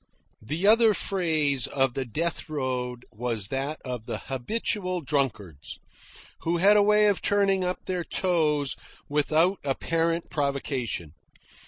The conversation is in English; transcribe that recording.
The other phase of the death road was that of the habitual drunkards, who had a way of turning up their toes without apparent provocation.